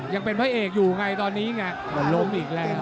ยังเป็นพระเอกอยู่ไงตอนนี้ไงล้มอีกแล้ว